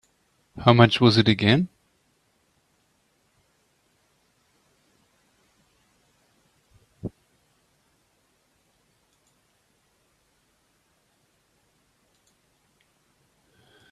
How much was it again?